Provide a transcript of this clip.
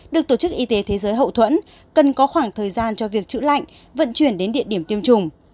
được tổ chức y tế thế giới hậu thuẫn cần có khoảng thời gian cho việc chữa lạnh vận chuyển đến địa điểm tiêm chủng